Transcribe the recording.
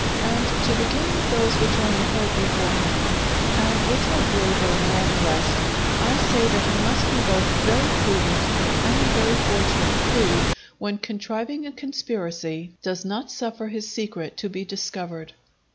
And to begin with those which are incurred beforehand, and which are graver than all the rest, I say that he must be both very prudent and very fortunate who, when contriving a conspiracy, does not suffer his secret to be discovered.